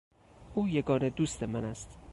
او یگانه دوست من است.